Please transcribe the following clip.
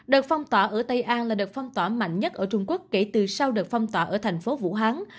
đợt phong tỏa ở tây an là đợt phong tỏa mạnh nhất ở trung quốc kể từ sau đợt phong tỏa ở thành phố vũ hán